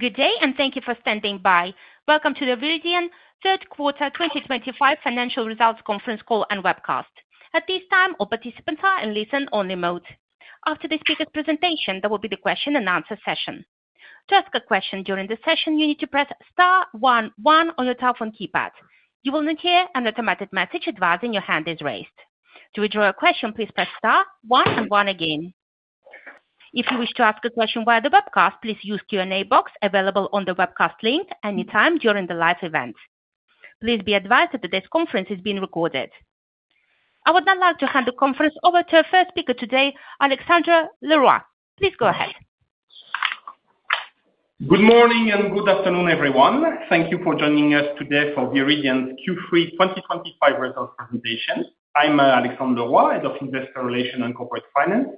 Good day, and thank you for standing by. Welcome to the Viridien third quarter 2025 financial results conference call and webcast. At this time, all participants are in listen-only mode. After the speaker's presentation, there will be the question-and-answer session. To ask a question during the session, you need to press star one one on your telephone keypad. You will then hear an automated message advising your hand is raised. To withdraw a question, please press star one and one again. If you wish to ask a question via the webcast, please use the Q&A box available on the webcast link anytime during the live event. Please be advised that today's conference is being recorded. I would now like to hand the conference over to our first speaker today, Alexandre Leroy. Please go ahead. Good morning and good afternoon, everyone. Thank you for joining us today for Viridien's Q3 2025 results presentation. I'm Alexandre Leroy, Head of Investor Relations and Corporate Finance.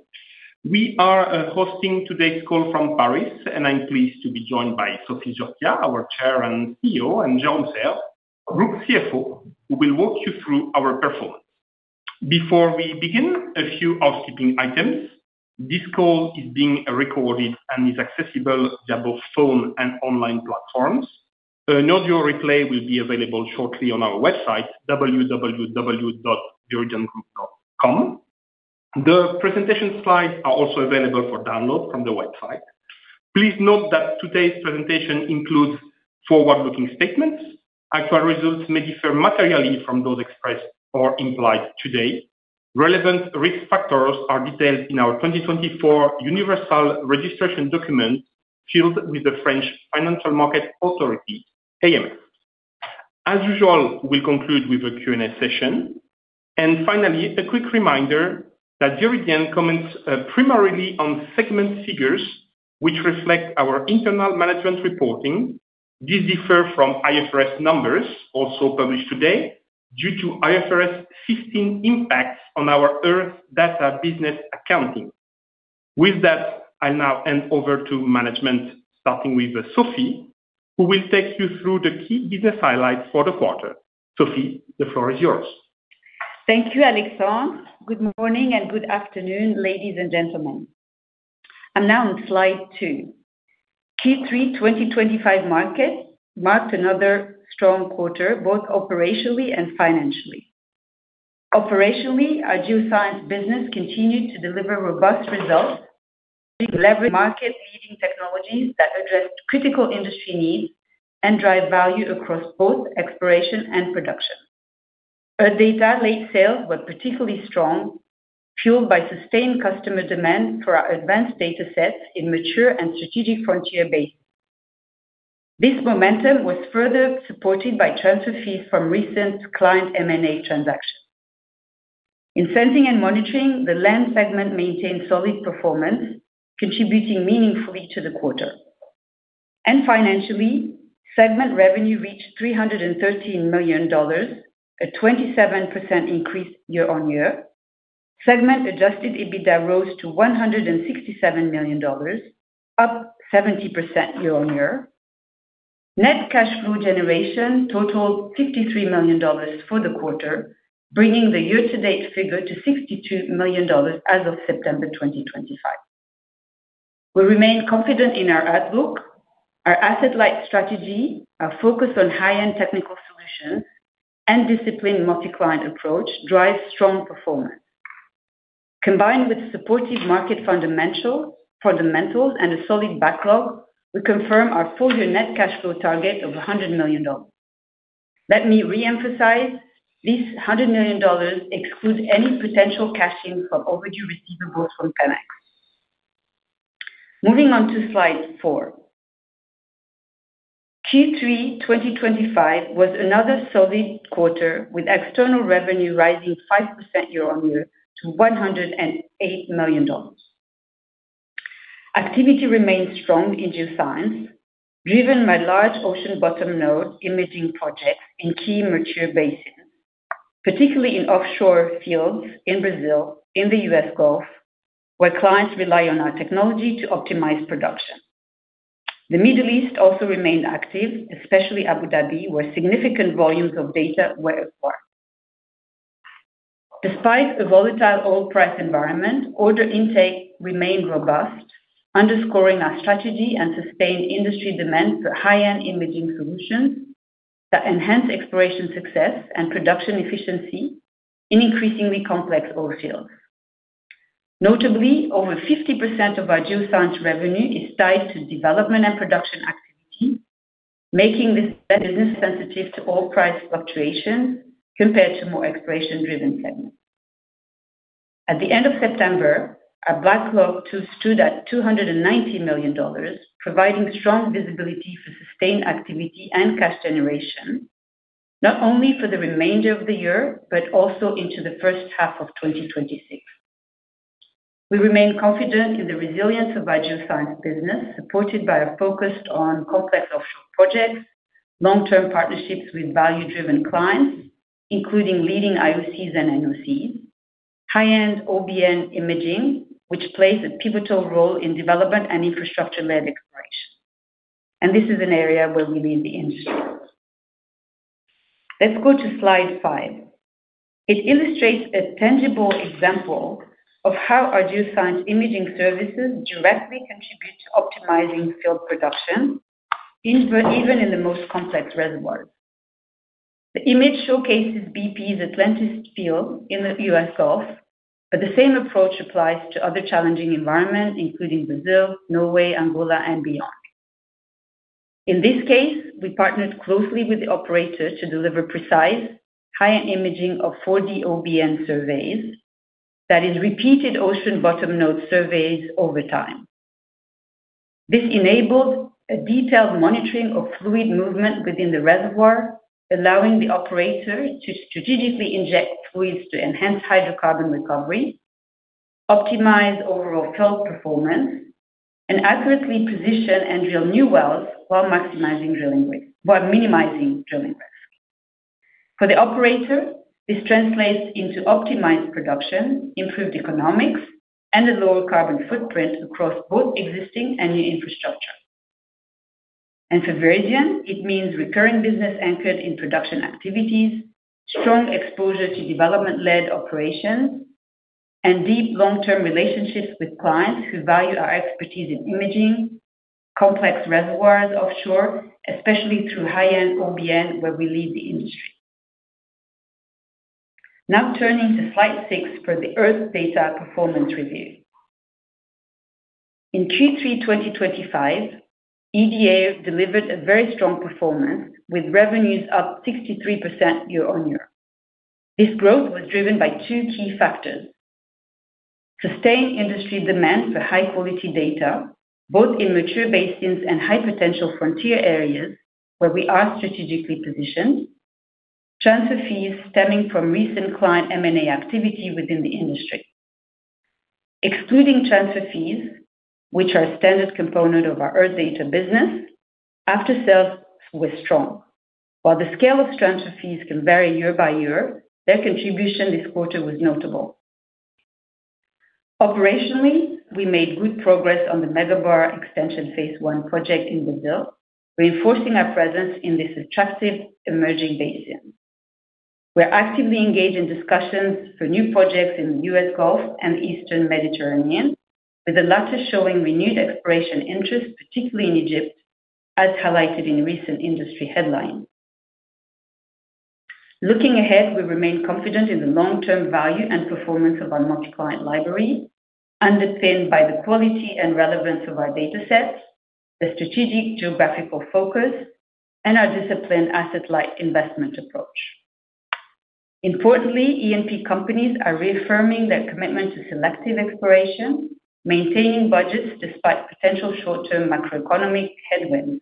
We are hosting today's call from Paris, and I'm pleased to be joined by Sophie Zurquiyah, our Chair and CEO, and Jérôme Serve, Group CFO, who will walk you through our performance. Before we begin, a few housekeeping items. This call is being recorded and is accessible via both phone and online platforms. An audio replay will be available shortly on our website, www.viridiengroup.com. The presentation slides are also available for download from the website. Please note that today's presentation includes forward-looking statements. Actual results may differ materially from those expressed or implied today. Relevant risk factors are detailed in our 2024 universal registration document filed with the French Financial Markets Authority, AMF. As usual, we'll conclude with a Q&A session. Finally, a quick reminder that Viridien comments primarily on segment figures which reflect our internal management reporting. These differ from IFRS numbers also published today due to IFRS 15 impacts on our Earth Data Business Accounting. With that, I'll now hand over to management, starting with Sophie, who will take you through the key business highlights for the quarter. Sophie, the floor is yours. Thank you, Alexandre. Good morning and good afternoon, ladies and gentlemen. I'm now on slide two. Q3 2025 markets marked another strong quarter, both operationally and financially. Operationally, our Geoscience business continued to deliver robust results, leveraging market-leading technologies that addressed critical industry needs and drive value across both exploration and production. Earth Data late sales were particularly strong, fueled by sustained customer demand for our advanced data sets in mature and strategic frontier basins. This momentum was further supported by transfer fees from recent client M&A transactions. In Sensing and Monitoring, the land segment maintained solid performance, contributing meaningfully to the quarter. Financially, segment revenue reached $313 million, a 27% increase Segment-Adjusted EBITDA rose to $167 million, up 70% year-on-year. Net cash flow generation totaled $53 million for the quarter, bringing the year-to-date figure to $62 million as of September 2025. We remain confident in our outlook. Our asset-light strategy, our focus on high-end technical solutions, and disciplined multi-client approach drive strong performance. Combined with supportive market fundamentals and a solid backlog, we confirm our full-year net cash flow target of $100 million. Let me re-emphasize, this $100 million excludes any potential cashing from overdue receivables from Pemex. Moving on to slide four. Q3 2025 was another solid quarter, with external revenue rising 5% year-on-year to $108 million. Activity remained strong in Geoscience, driven by large ocean-bottom node imaging projects in key mature basins, particularly in offshore fields in Brazil and in the U.S. Gulf, where clients rely on our technology to optimize production. The Middle East also remained active, especially Abu Dhabi, where significant volumes of data were acquired. Despite a volatile oil price environment, order intake remained robust, underscoring our strategy and sustained industry demand for high-end imaging solutions that enhance exploration success and production efficiency in increasingly complex oil fields. Notably, over 50% of our Geoscience revenue is tied to development and production activity, making this business sensitive to oil price fluctuations compared to more exploration-driven segments. At the end of September, our backlog stood at $290 million, providing strong visibility for sustained activity and cash generation, not only for the remainder of the year but also into the first half of 2026. We remain confident in the resilience of our Geoscience business, supported by a focus on complex offshore projects, long-term partnerships with value-driven clients, including leading IOCs and NOCs, high-end OBN imaging, which plays a pivotal role in development and infrastructure-led exploration. This is an area where we lead the industry. Let's go to slide five. It illustrates a tangible example of how our Geoscience imaging services directly contribute to optimizing field production, even in the most complex reservoirs. The image showcases BP's Atlantis field in the U.S. Gulf, but the same approach applies to other challenging environments, including Brazil, Norway, Angola, and beyond. In this case, we partnered closely with the operator to deliver precise high-end imaging of 4D OBN surveys, that is, repeated ocean-bottom node surveys over time. This enabled a detailed monitoring of fluid movement within the reservoir, allowing the operator to strategically inject fluids to enhance hydrocarbon recovery, optimize overall field performance, and accurately position and drill new wells while minimizing drilling risk. For the operator, this translates into optimized production, improved economics, and a lower carbon footprint across both existing and new infrastructure. For Viridien, it means recurring business anchored in production activities, strong exposure to development-led operations, and deep long-term relationships with clients who value our expertise in imaging complex reservoirs offshore, especially through high-end OBN where we lead the industry. Now turning to slide six for the Earth Data Performance Review. In Q3 2025, EDA delivered a very strong performance, with revenues up 63% year-on-year. This growth was driven by two key factors: sustained industry demand for high-quality data, both in mature basins and high-potential frontier areas where we are strategically positioned, and transfer fees stemming from recent client M&A activity within the industry. Excluding transfer fees, which are a standard component of our Earth Data business, after-sales were strong. While the scale of transfer fees can vary year by year, their contribution this quarter was notable. Operationally, we made good progress on the Megabar Extension Phase I project in Brazil, reinforcing our presence in this attractive emerging basin. We're actively engaged in discussions for new projects in the U.S. Gulf and Eastern Mediterranean, with the latter showing renewed exploration interest, particularly in Egypt, as highlighted in recent industry headlines. Looking ahead, we remain confident in the long-term value and performance of our multi-client library, underpinned by the quality and relevance of our data sets, the strategic geographical focus, and our disciplined asset-light investment approach. Importantly, E&P companies are reaffirming their commitment to selective exploration, maintaining budgets despite potential short-term macroeconomic headwinds.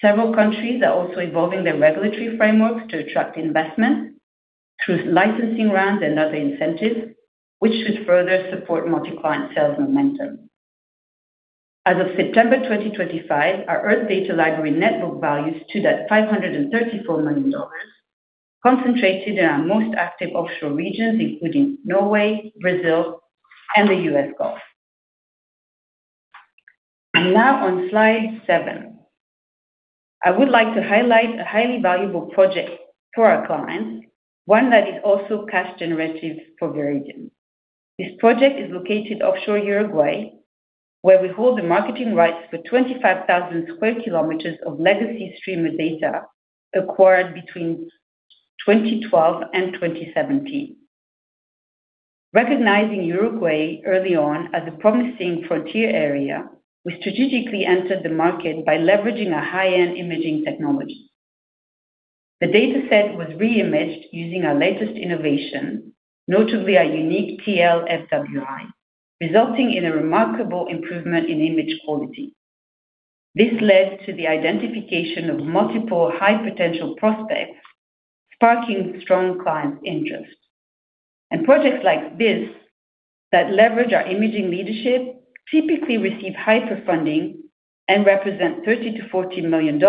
Several countries are also evolving their regulatory frameworks to attract investment through licensing rounds and other incentives, which should further support multi-client sales momentum. As of September 2025, our Earth Data Library net book values stood at $534 million, concentrated in our most active offshore regions, including Norway, Brazil, and the U.S. Gulf. Now on slide seven, I would like to highlight a highly valuable project for our clients, one that is also cash-generative for Viridien. This project is located offshore Uruguay, where we hold the marketing rights for 25,000 sq km of legacy streamer data acquired between 2012 and 2017. Recognizing Uruguay early on as a promising frontier area, we strategically entered the market by leveraging our high-end imaging technologies. The data set was reimaged using our latest innovation, notably our unique TLFWI, resulting in a remarkable improvement in image quality. This led to the identification of multiple high-potential prospects, sparking strong client interest. Projects like this that leverage our imaging leadership typically receive hyper-funding and represent $30 million-$40 million,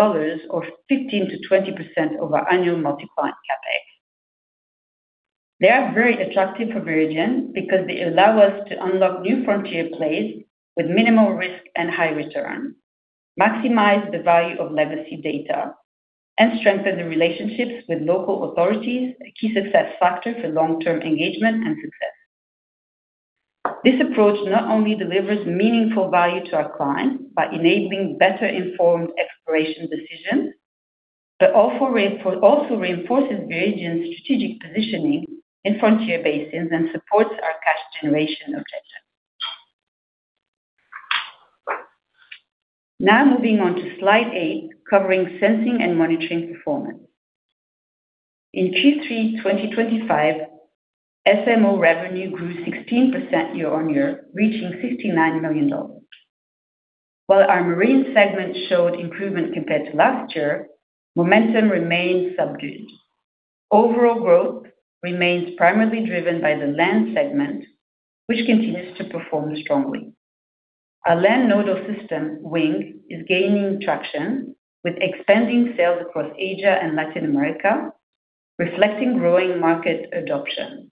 or 15%-20% of our annual multi-client CapEx. They are very attractive for Viridien because they allow us to unlock new frontier plays with minimal risk and high return, maximize the value of legacy data, and strengthen the relationships with local authorities, a key success factor for long-term engagement and success. This approach not only delivers meaningful value to our clients by enabling better-informed exploration decisions, but also reinforces Viridien's strategic positioning in frontier basins and supports our cash-generation objectives. Now moving on to slide eight, covering Sensing and Monitoring performance. In Q3 2025, SMO revenue grew 16% year-on-year, reaching $69 million. While our marine segment showed improvement compared to last year, momentum remained subdued. Overall growth remains primarily driven by the land segment, which continues to perform strongly. Our land nodal system, WiNG, is gaining traction, with expanding sales across Asia and Latin America, reflecting growing market adoption.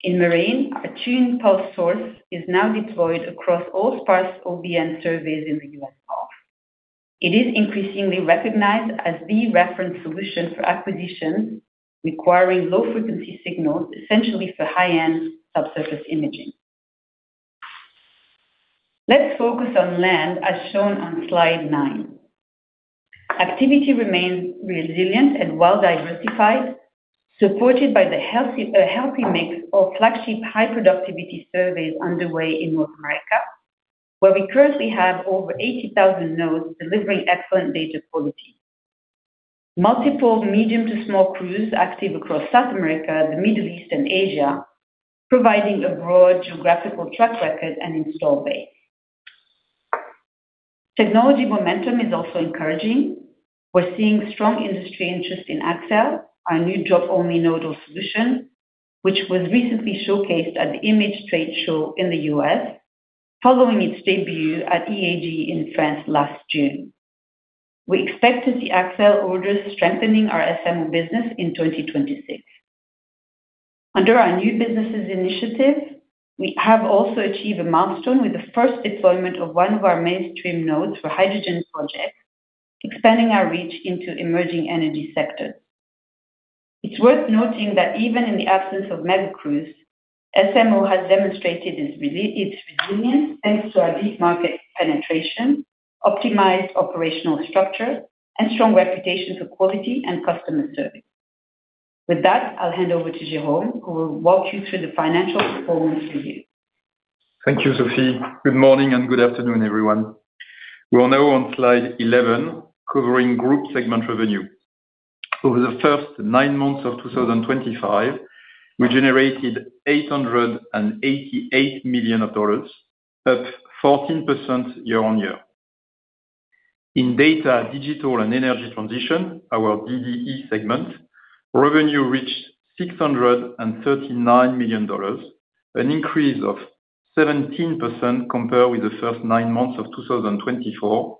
In marine, our Tune Pulse source is now deployed across all sparse OBN surveys in the U.S. Gulf. It is increasingly recognized as the reference solution for acquisitions requiring low-frequency signals, essentially for high-end subsurface imaging. Let's focus on land, as shown on slide nine. Activity remains resilient and well-diversified, supported by the healthy mix of flagship high-productivity surveys underway in North America, where we currently have over 80,000 nodes delivering excellent data quality. Multiple medium to small crews are active across South America, the Middle East, and Asia, providing a broad geographical track record and install base. Technology momentum is also encouraging. We're seeing strong industry interest in AXA, our new job-only nodal solution, which was recently showcased at the Image Trade Show in the U.S., following its debut at EAGE in France last June. We expect to see AXA orders strengthening our SMO business in 2026. Under our new businesses initiative, we have also achieved a milestone with the first deployment of one of our mainstream nodes for hydrogen projects, expanding our reach into emerging energy sectors. It's worth noting that even in the absence of mega crews, SMO has demonstrated its resilience thanks to our deep market penetration, optimized operational structure, and strong reputation for quality and customer service. With that, I'll hand over to Jérôme, who will walk you through the financial performance review. Thank you, Sophie. Good morning and good afternoon, everyone. We are now on slide 11, covering group segment revenue. Over the first nine months of 2025, we generated $888 million, up 14% year-on-year. In data, digital, and energy transition, our DDE segment revenue reached $639 million, an increase of 17% compared with the first nine months of 2024,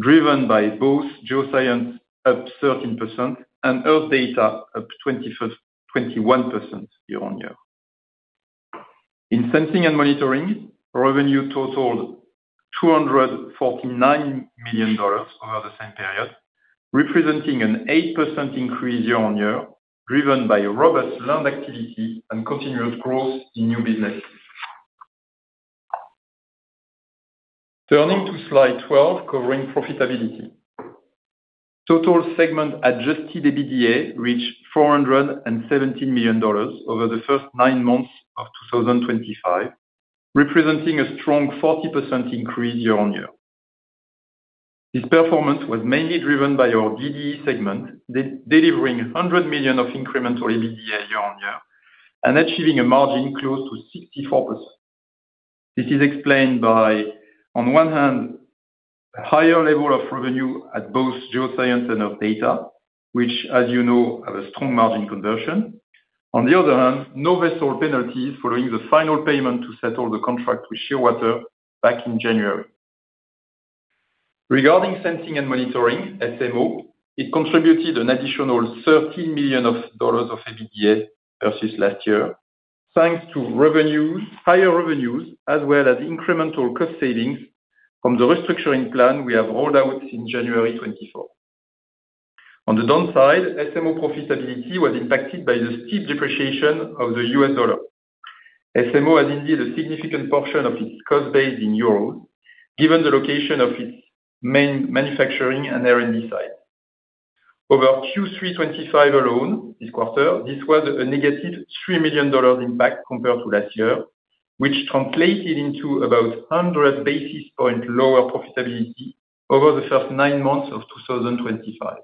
driven by both Geoscience up 13% and Earth Data up 21% year-on-year. In Sensing and Monitoring, revenue totaled $249 million over the same period, representing an 8% increase year-on-year, driven by robust land activity and continuous growth in new businesses. Turning to slide 12, covering profitability, Segment-Adjusted EBITDA reached $417 million over the first nine months of 2025, representing a strong 40% increase year-on-year. This performance was mainly driven by our DDE segment, delivering $100 million of incremental EBITDA year-on-year and achieving a margin close to 64%. This is explained by, on one hand, a higher level of revenue at both Geoscience and Earth Data, which, as you know, have a strong margin conversion. On the other hand, no vessel penalties following the final payment to settle the contract with Shearwater back in January. Regarding Sensing and Monitoring, SMO, it contributed an additional $13 million of EBITDA versus last year, thanks to higher revenues, as well as incremental cost savings from the restructuring plan we have rolled out since January 2024. On the downside, SMO profitability was impacted by the steep depreciation of the U.S. dollar. SMO has indeed a significant portion of its cost base in euros, given the location of its main manufacturing and R&D site. Over Q3 2025 alone this quarter, this was a -$3 million impact compared to last year, which translated into about 100 basis points lower profitability over the first nine months of 2025.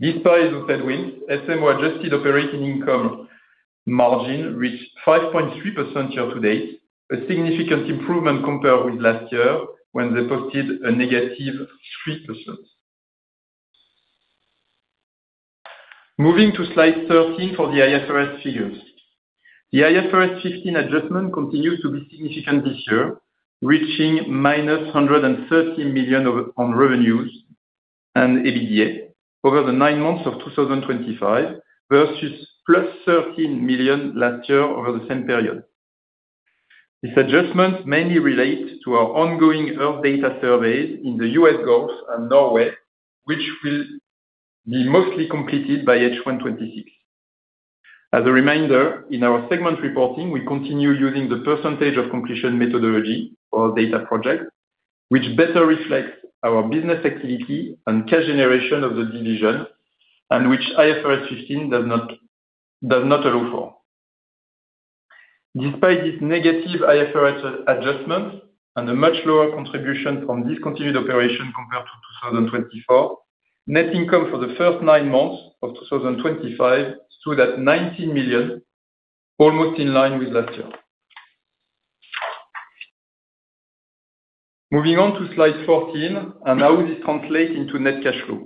Despite those headwinds, SMO adjusted operating income margin reached 5.3% year-to-date, a significant improvement compared with last year when they posted a -3%. Moving to slide 13 for the IFRS figures, the IFRS 15 adjustment continues to be significant this year, reaching -$113 million on revenues and EBITDA over the nine months of 2025 versus +$13 million last year over the same period. These adjustments mainly relate to our ongoing Earth Data surveys in the U.S. Gulf and Norway, which will be mostly completed by H1 2026. As a reminder, in our segment reporting, we continue using the percentage of completion methodology for Earth Data projects, which better reflects our business activity and cash generation of the division, and which IFRS 15 does not allow for. Despite this negative IFRS adjustment and a much lower contribution from discontinued operation compared to 2024, net income for the first nine months of 2025 stood at $19 million, almost in line with last year. Moving on to slide 14, and how this translates into net cash flow.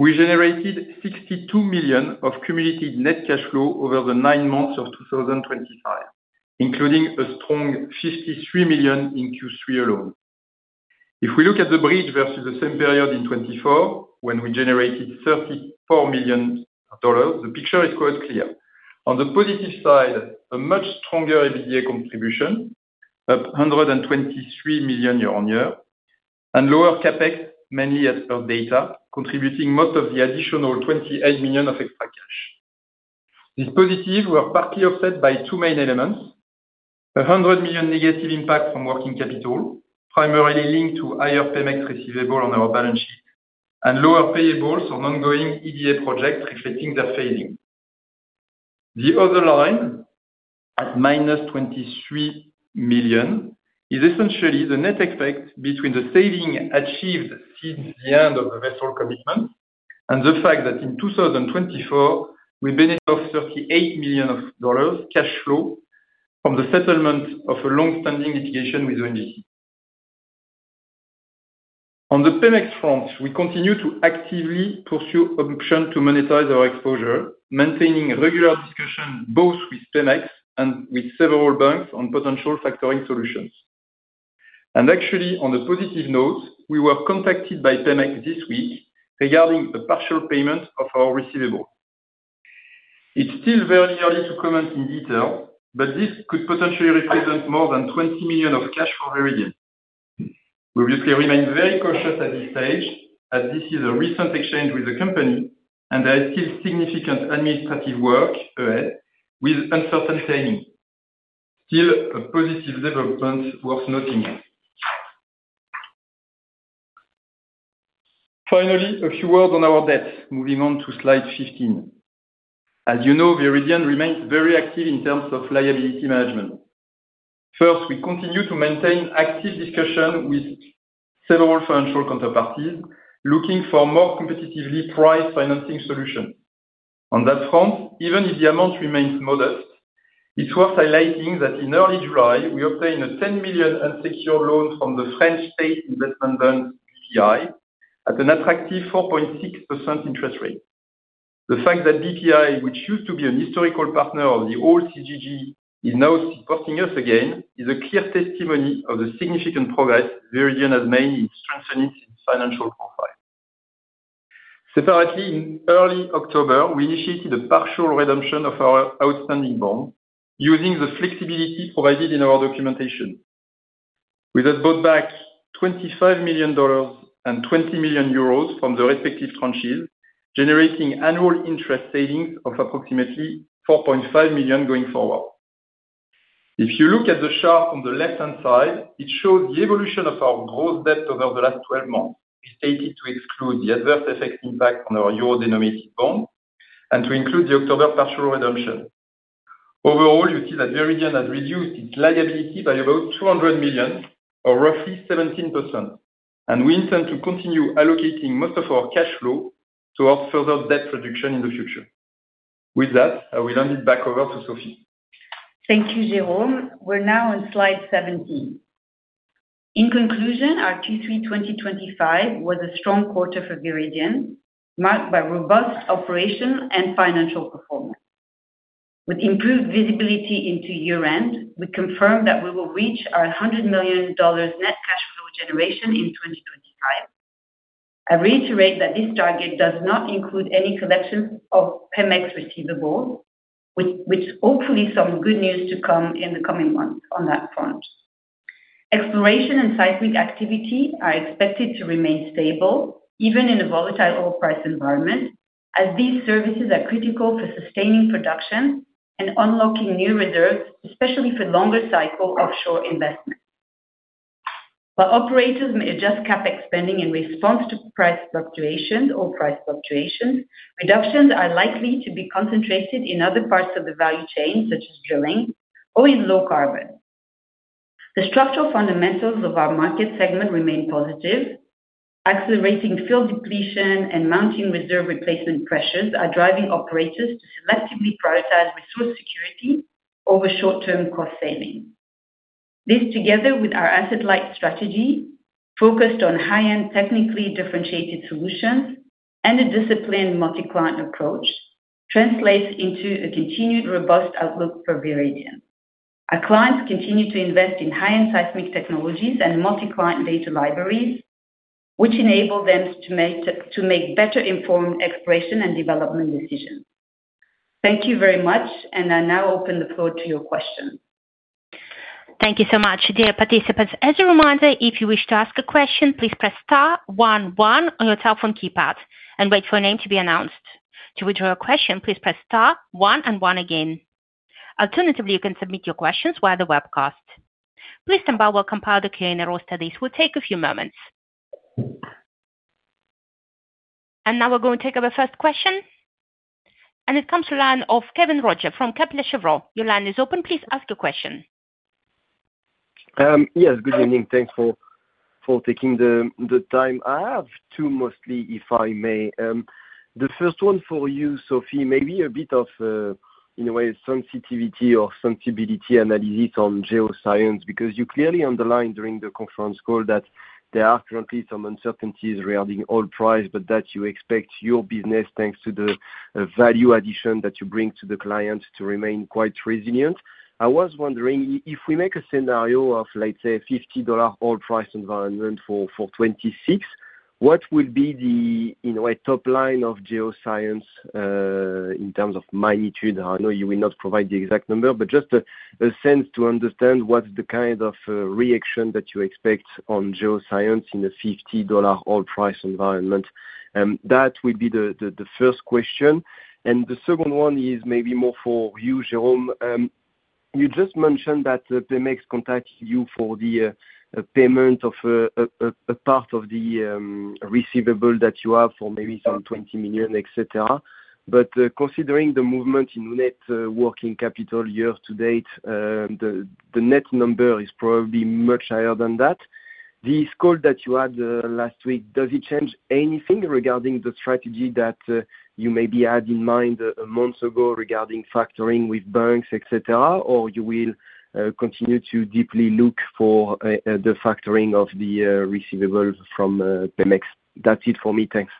We generated $62 million of cumulated net cash flow over the nine months of 2025, including a strong $53 million in Q3 alone. If we look at the bridge versus the same period in 2024, when we generated $34 million, the picture is quite clear. On the positive side, a much stronger EBITDA contribution, up $123 million year-on-year, and lower CapEx, mainly at Earth Data, contributing most of the additional $28 million of extra cash. These positives were partly offset by two main elements. A $100 million negative impact from working capital, primarily linked to higher Pemex receivable on our balance sheet and lower payables on ongoing EBITDA projects reflecting their phasing. The other line, at -$23 million, is essentially the net effect between the saving achieved since the end of the vessel commitment and the fact that in 2024, we benefited from $38 million of cash flow from the settlement of a long-standing litigation with ONGC. On the Pemex front, we continue to actively pursue options to monetize our exposure, maintaining regular discussions both with Pemex and with several banks on potential factoring solutions. Actually, on a positive note, we were contacted by Pemex this week regarding a partial payment of our receivable. It's still very early to comment in detail, but this could potentially represent more than $20 million of cash for Viridien. We obviously remain very cautious at this stage, as this is a recent exchange with the company, and there is still significant administrative work ahead with uncertain timing. Still, a positive development worth noting. Finally, a few words on our debts, moving on to slide 15. As you know, Viridien remains very active in terms of liability management. First, we continue to maintain active discussions with several financial counterparties, looking for more competitively priced financing solutions. On that front, even if the amount remains modest, it's worth highlighting that in early July, we obtained a $10 million unsecured loan from the French state investment bank Bpifrance at an attractive 4.6% interest rate. The fact that Bpifrance, which used to be a historical partner of the old CGG, is now supporting us again is a clear testimony of the significant progress Viridien has made in strengthening its financial profile. Separately, in early October, we initiated a partial redemption of our outstanding bond using the flexibility provided in our documentation. We got back $25 million and 20 million euros from the respective tranches, generating annual interest savings of approximately $4.5 million going forward. If you look at the chart on the left-hand side, it shows the evolution of our gross debt over the last 12 months, stated to exclude the adverse effects impact on our euro-denominated bond and to include the October partial redemption. Overall, you see that Viridien has reduced its liability by about $200 million, or roughly 17%, and we intend to continue allocating most of our cash flow towards further debt reduction in the future. With that, I will hand it back over to Sophie. Thank you, Jérôme. We're now on slide 17. In conclusion, our Q3 2025 was a strong quarter for Viridien, marked by robust operational and financial performance. With improved visibility into year-end, we confirm that we will reach our $100 million net cash flow generation in 2025. I reiterate that this target does not include any collection of Pemex receivables, which hopefully is some good news to come in the coming months on that front. Exploration and seismic activity are expected to remain stable, even in a volatile oil price environment, as these services are critical for sustaining production and unlocking new reserves, especially for longer cycle offshore investments. While operators may adjust CapEx spending in response to price fluctuations, reductions are likely to be concentrated in other parts of the value chain, such as drilling or in low carbon. The structural fundamentals of our market segment remain positive. Accelerating field depletion and mounting reserve replacement pressures are driving operators to selectively prioritize resource security over short-term cost savings. This, together with our asset-light strategy, focused on high-end technically differentiated solutions and a disciplined multi-client approach, translates into a continued robust outlook for Viridien. Our clients continue to invest in high-end seismic technologies and multi-client data libraries, which enable them to make better-informed exploration and development decisions. Thank you very much, and I now open the floor to your questions. Thank you so much, dear participants. As a reminder, if you wish to ask a question, please press star one one on your telephone keypad and wait for a name to be announced. To withdraw a question, please press star one one again. Alternatively, you can submit your questions via the webcast. Please stand by while compiled Q&A rolls start. This will take a few moments. Now we're going to take our first question. It comes to the line of Kévin Roger from Kepler Cheuvreux. Your line is open. Please ask your question. Yes, good evening. Thanks for taking the time. I have two mostly, if I may. The first one for you, Sophie, maybe a bit of, in a way, sensitivity or sensibility analysis on Geoscience, because you clearly underlined during the conference call that there are currently some uncertainties regarding oil price, but that you expect your business, thanks to the value addition that you bring to the clients, to remain quite resilient. I was wondering, if we make a scenario of, let's say, a $50 oil price environment for 2026, what will be the top line of Geoscience in terms of magnitude? I know you will not provide the exact number, but just a sense to understand what's the kind of reaction that you expect on Geoscience in a $50 oil price environment. That would be the first question. The second one is maybe more for you, Jérôme. You just mentioned that Pemex contacted you for the payment of a part of the receivable that you have for maybe some $20 million, etc. Considering the movement in net working capital year-to-date, the net number is probably much higher than that. This call that you had last week, does it change anything regarding the strategy that you maybe had in mind months ago regarding factoring with banks, etc., or will you continue to deeply look for the factoring of the receivables from Pemex? That's it for me. Thanks.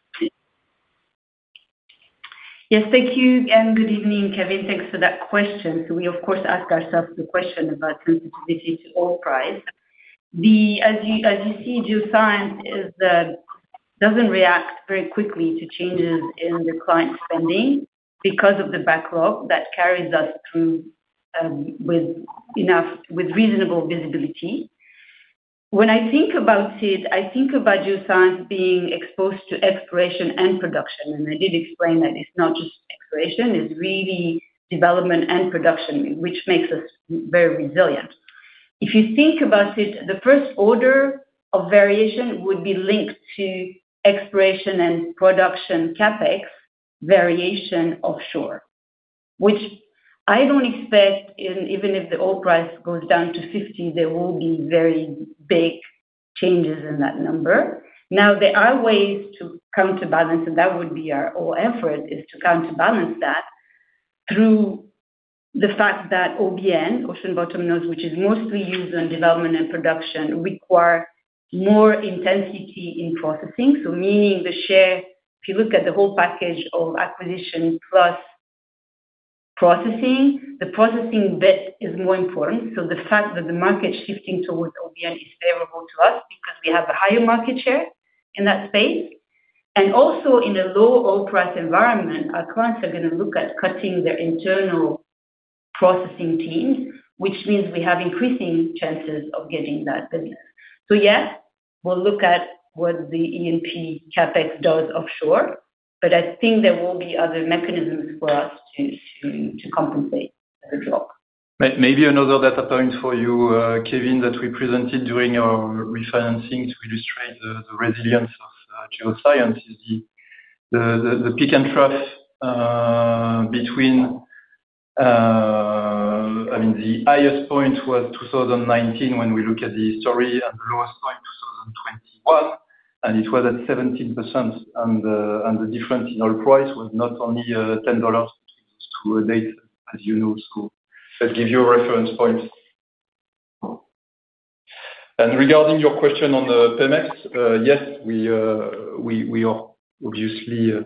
Yes, thank you and good evening, Kevin. Thanks for that question. We, of course, ask ourselves the question about sensitivity to oil price. As you see, Geoscience doesn't react very quickly to changes in the client spending because of the backlog that carries us through with reasonable visibility. When I think about it, I think about Geoscience being exposed to exploration and production. I did explain that it's not just exploration. It's really development and production, which makes us very resilient. If you think about it, the first order of variation would be linked to exploration and production CapEx variation offshore, which I don't expect, even if the oil price goes down to $50, there will be very big changes in that number. There are ways to counterbalance, and that would be our whole effort, to counterbalance that through the fact that OBN, ocean-bottom nodes, which is mostly used on development and production, requires more intensity in processing. Meaning, if you look at the whole package of acquisition plus processing, the processing bit is more important. The fact that the market's shifting towards OBN is favorable to us because we have a higher market share in that space. Also, in a low oil price environment, our clients are going to look at cutting their internal processing teams, which means we have increasing chances of getting that business. Yes, we'll look at what the E&P CapEx does offshore, but I think there will be other mechanisms for us to compensate for the drop. Maybe another data point for you, Kevin, that we presented during our refinancing to illustrate the resilience of Geoscience is the peak and trough. The highest point was 2019 when we look at the history and the lowest point 2021, and it was at 17%. The difference in oil price was not only $10 between those two dates, as you know. Let's give you a reference point. Regarding your question on Pemex, yes, we are obviously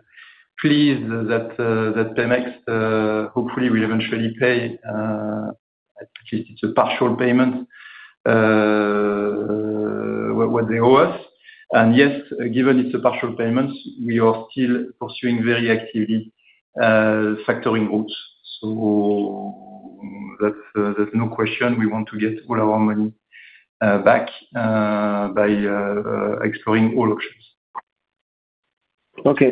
pleased that Pemex hopefully will eventually pay, at least it's a partial payment, what they owe us. Given it's a partial payment, we are still pursuing very actively factoring routes. There's no question we want to get all our money back by exploring all options. What we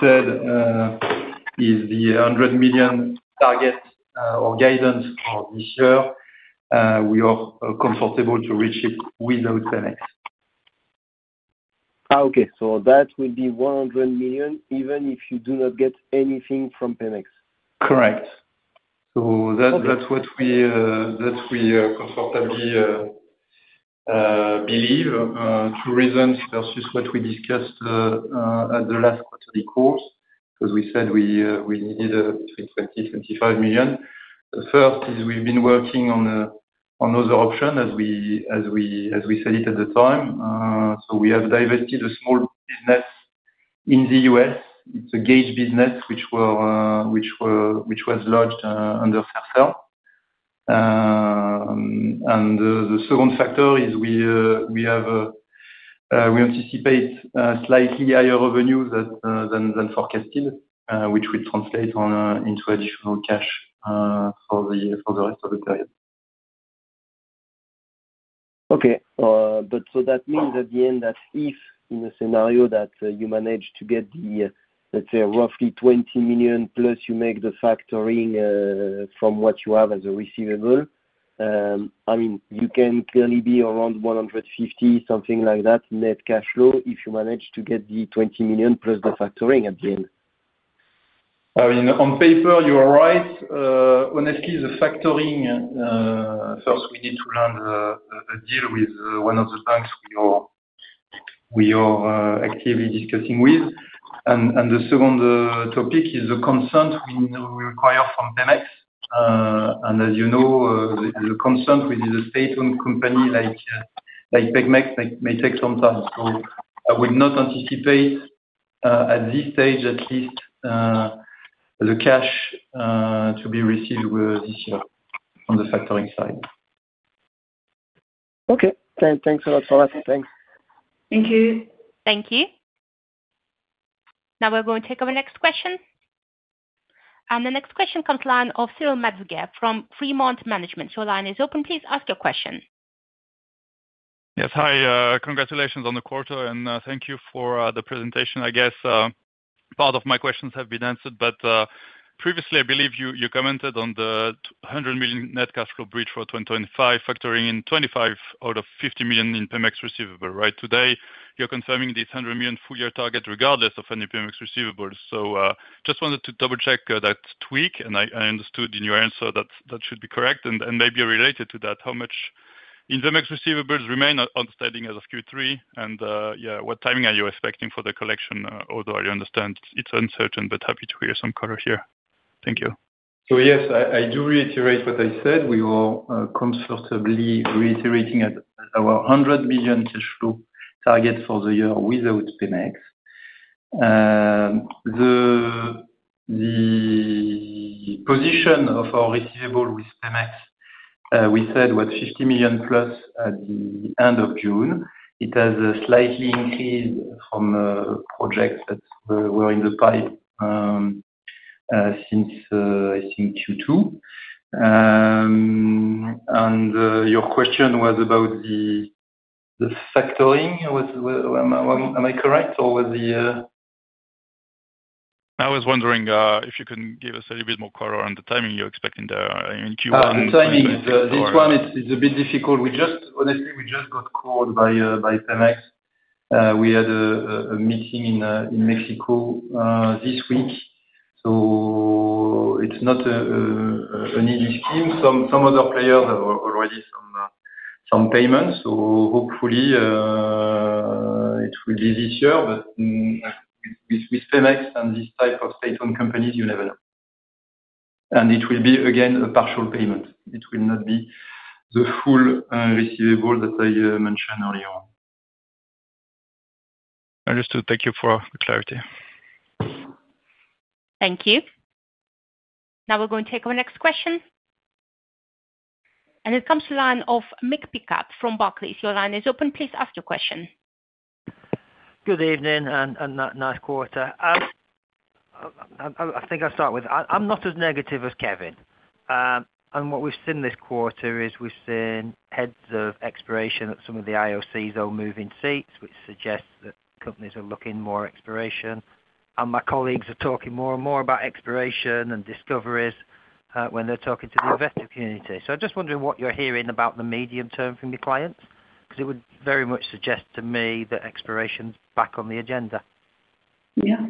said is the $100 million target or guidance for this year, we are comfortable to reach it without Pemex. That would be $100 million, even if you do not get anything from Pemex? Correct. That's what we comfortably believe, two reasons versus what we discussed at the last quarterly calls, because we said we needed between $20 million and $25 million. The first is we've been working on other options, as we said at the time. We have divested a small business in the U.S., it's a gauge business, which was lodged under SAFER. The second factor is we anticipate slightly higher revenues than forecasted, which would translate into additional cash for the rest of the period. That means at the end that if, in a scenario that you manage to get the, let's say, roughly $20 million+, you make the factoring from what you have as a receivable. You can clearly be around $150 million, something like that, net cash flow, if you manage to get the $20 million+ the factoring at the end. On paper, you are right. Honestly, the factoring, first, we need to land a deal with one of the banks we are actively discussing with. The second topic is the consent we require from Pemex. As you know, the consent with a state-owned company like Pemex may take some time. I would not anticipate at this stage, at least, the cash to be received this year on the factoring side. Okay. Thanks a lot for that. Thanks. Thank you. Thank you. Now we're going to take our next question. The next question comes live from Cyrille Metzger from Freemont Management. Your line is open. Please ask your question. Yes. Hi. Congratulations on the quarter, and thank you for the presentation. I guess part of my questions have been answered, but previously, I believe you commented on the $100 million net cash flow breach for 2025, factoring in $25 million out of $50 million in Pemex receivable, right? Today, you're confirming this $100 million full-year target regardless of any Pemex receivables. I just wanted to double-check that tweak, and I understood in your answer that that should be correct. Maybe related to that, how much in Pemex receivables remain outstanding as of Q3? What timing are you expecting for the collection? Although I understand it's uncertain, but happy to hear some color here. Thank you. Yes, I do reiterate what I said. We are comfortably reiterating our $100 million cash flow target for the year without Pemex. The position of our receivable with Pemex, we said, was $50 million+ at the end of June. It has slightly increased from projects that were in the pipe since, I think, Q2. Your question was about the factoring, am I correct? I was wondering if you can give us a little bit more color on the timing you're expecting there in Q1. Timing, this one is a bit difficult. Honestly, we just got called by Pemex. We had a meeting in Mexico this week. It's not an easy scheme. Some other players have already some payments, so hopefully it will be this year. With Pemex and this type of state-owned companies, you never know. It will be, again, a partial payment. It will not be the full receivable that I mentioned earlier. Understood. Thank you for the clarity. Thank you. Now we're going to take our next question. It comes to the line of Mick Pickup from Barclays. Your line is open. Please ask your question. Good evening and nice quarter. I think I'll start with I'm not as negative as Kevin. What we've seen this quarter is we've seen heads of exploration at some of the IOCs are moving seats, which suggests that companies are looking more at exploration. My collEAGEues are talking more and more about exploration and discoveries when they're talking to the investor community. I'm just wondering what you're hearing about the medium term from your clients, because it would very much suggest to me that exploration's back on the agenda. Yeah.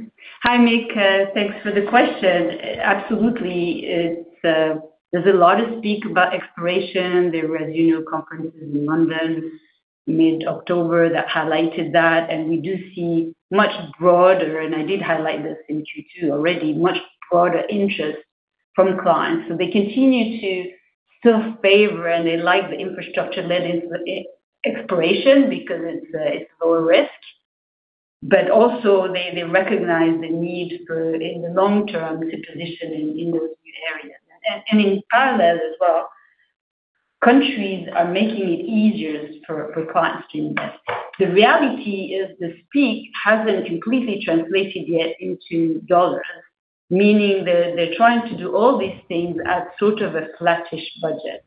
Hi, Mick. Thanks for the question. Absolutely. There's a lot to speak about exploration. There were, as you know, conferences in London mid-October that highlighted that. We do see much broader, and I did highlight this in Q2 already, much broader interest from clients. They continue to still favor, and they like the infrastructure-led exploration because it's lower risk. They also recognize the need for, in the long term, to position in those new areas. In parallel as well, countries are making it easier for clients to invest. The reality is the speak hasn't completely translated yet into dollars, meaning they're trying to do all these things at sort of a flattish budget.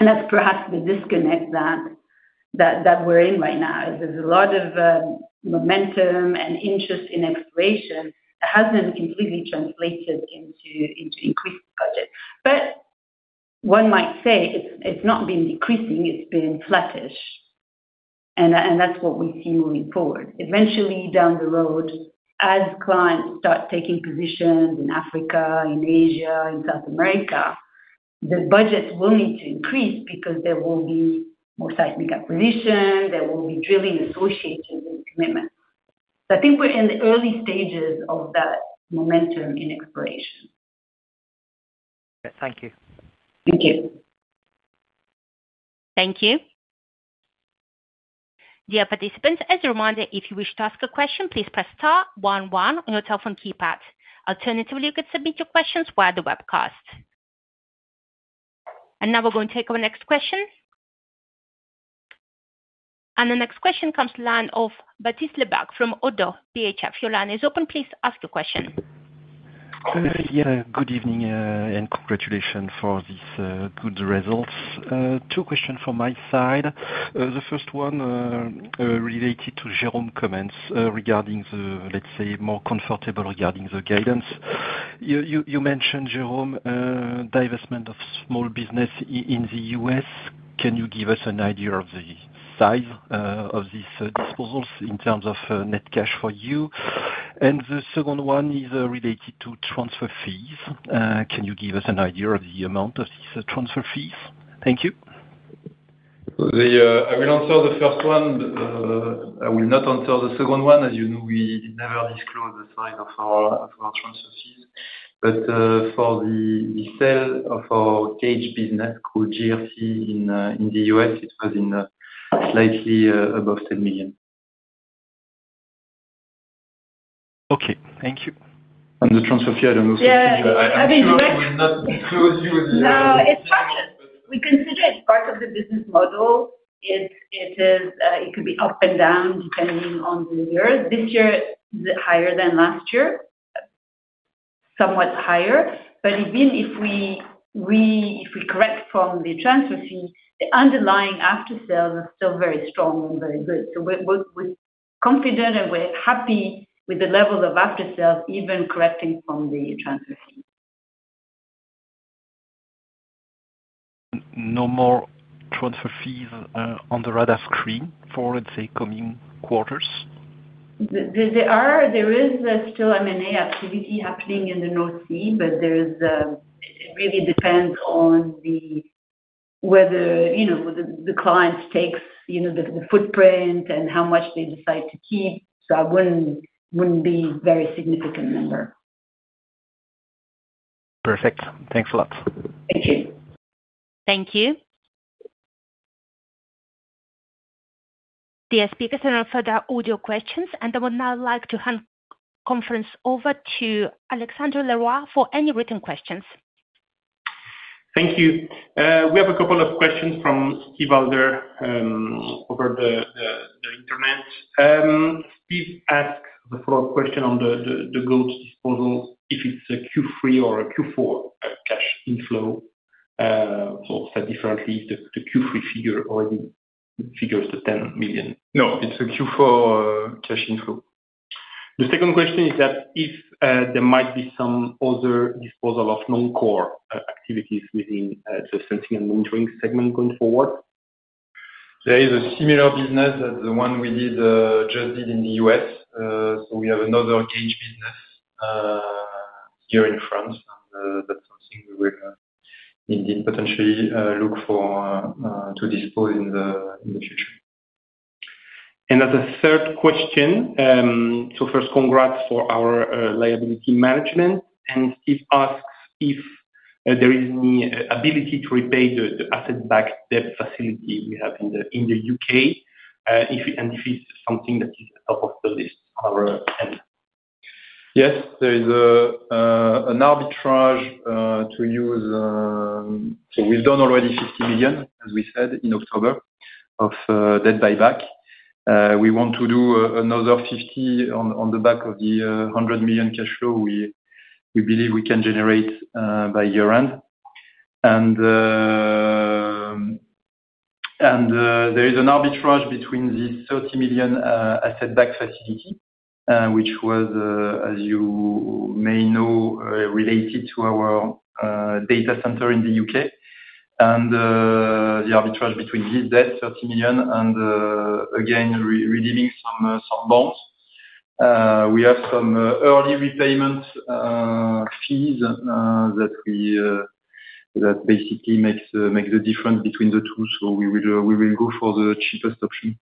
That's perhaps the disconnect that we're in right now. There's a lot of momentum and interest in exploration. It hasn't completely translated into increased budget. One might say it's not been decreasing. It's been flattish. That's what we see moving forward. Eventually, down the road, as clients start taking positions in Africa, in Asia, in South America, the budgets will need to increase because there will be more seismic acquisition. There will be drilling associated with commitments. I think we're in the early stages of that momentum in exploration. Thank you. Thank you. Thank you. Dear participants, as a reminder, if you wish to ask a question, please press star one one on your telephone keypad. Alternatively, you could submit your questions via the webcast. Now we're going to take our next question. The next question comes to the line of Baptiste Lebacq from ODDO BHF. Your line is open. Please ask your question. Yeah. Good evening and congratulations for these good results. Two questions from my side. The first one, related to Jérôme's comments regarding the, let's say, more comfortable regarding the guidance. You mentioned, Jérôme, divestment of small business in the U.S. Can you give us an idea of the size of these disposals in terms of net cash for you? The second one is related to transfer fees. Can you give us an idea of the amount of these transfer fees? Thank you. I will answer the first one. I will not answer the second one. As you know, we never disclose the size of our transfer fees. For the sale of our gauge business called GRC in the U.S., it was slightly above $10 million. Okay. Thank you. The transfer fee, I don't know. I'm sorry. I will not disclose you the— no, it's part of—we consider it part of the business model. It could be up and down depending on the year. This year, it's higher than last year. Somewhat higher. Even if we correct from the transfer fee, the underlying after-sales are still very strong and very good. We're confident and we're happy with the level of after-sales, even correcting from the transfer fee. No more transfer fees on the radar screen for, let's say, coming quarters? There is still M&A activity happening in the North Sea, but it really depends on whether the client takes the footprint and how much they decide to keep. I wouldn't be a very significant number. Perfect. Thanks a lot. Thank you. Dear speakers, there are further audio questions. I would now like to hand the conference over to Alexandre Leroy for any written questions. Thank you. We have a couple of questions from Steve Alder over the internet. Steve asks the follow-up question on the gauge disposal, if it's a Q3 or a Q4 cash inflow. Or said differently, the Q3 figure already figures the $10 million. No, it's a Q4 cash inflow. The second question is that if there might be some other disposal of non-core activities within the Sensing and Monitoring segment going forward. There is a similar business to the one we just did in the U.S., so we have another gauge business here in France, and that's something we will potentially look for to dispose in the future. As a third question, so first, congrats for our liability management. Steve asks if there is any ability to repay the asset-backed debt facility we have in the U.K., and if it's something that is top of the list on our end. Yes. There is an arbitrage to use. We've done already $50 million, as we said, in October of debt buyback. We want to do another $50 million on the back of the $100 million cash flow we believe we can generate by year-end. There is an arbitrage between this $30 million asset-backed facility, which was, as you may know, related to our data center in the U.K. The arbitrage between this debt, $30 million, and again, relieving some bonds. We have some early repayment fees that basically make the difference between the two. We will go for the cheapest option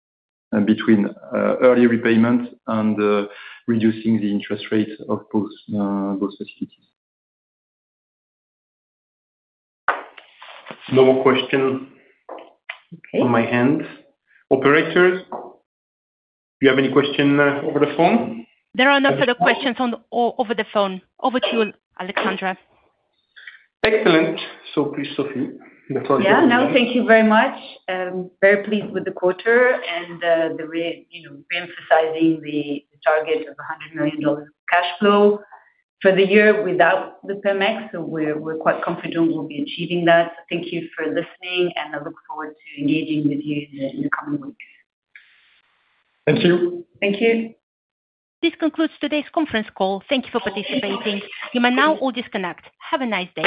between early repayment and reducing the interest rate of both facilities. No more questions from my end. Operators, do you have any questions over the phone? There are no further questions over the phone. Over to you, Alexandre. Excellent. Please, Sophie. That was it. Thank you very much. Very pleased with the quarter and re-emphasizing the target of $100 million cash flow for the year without the Pemex. We're quite confident we'll be achieving that. Thank you for listening, and I look forward to engaging with you in the coming weeks. Thank you. Thank you. This concludes today's conference call. Thank you for participating. You may now all disconnect. Have a nice day.